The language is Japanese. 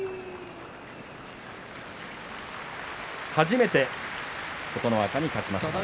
初めて琴ノ若に勝ちました。